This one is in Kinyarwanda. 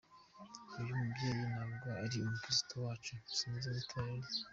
Uyu mubyeyi ntabwo ari umukristo wacu, sinzi n’itorero rye.